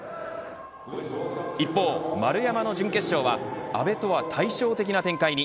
一方、丸山の準決勝は阿部とは対照的な展開に。